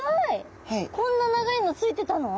こんな長いのついてたの？